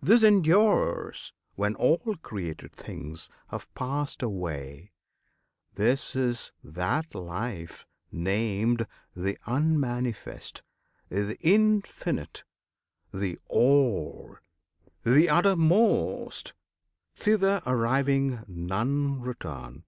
This endures When all created things have passed away: This is that Life named the Unmanifest, The Infinite! the All! the Uttermost. Thither arriving none return.